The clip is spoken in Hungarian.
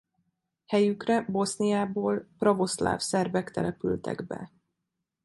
Helyükre Boszniából pravoszláv szerbek települtek be.